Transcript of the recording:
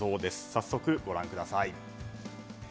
早速、ご覧ください。